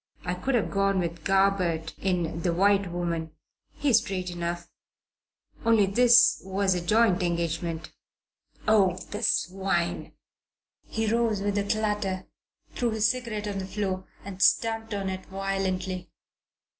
I could have gone with Garbutt in The White Woman he's straight enough only this was a joint engagement. Oh, the swine!" He rose with a clatter, threw his cigarette on the floor and stamped on it violently.